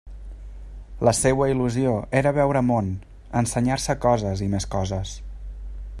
La seua il·lusió era veure món, ensenyar-se coses i més coses.